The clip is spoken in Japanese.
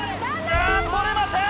あぁ取れません！